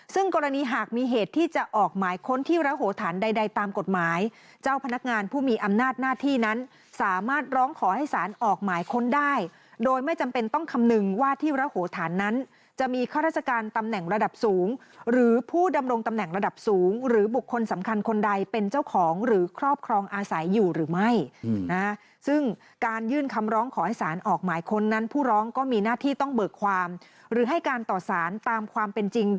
ซึ่งกรณีหากมีเหตุที่จะออกหมายค้นที่ระโหฐานใดตามกฎหมายเจ้าพนักงานผู้มีอำนาจหน้าที่นั้นสามารถร้องขอให้สารออกหมายค้นได้โดยไม่จำเป็นต้องคำหนึ่งว่าที่ระโหฐานนั้นจะมีข้าราชการตำแหน่งระดับสูงหรือผู้ดำรงตำแหน่งระดับสูงหรือบุคคลสำคัญคนใดเป็นเจ้าของหรือครอบครองอาศัยอยู่หรือไม่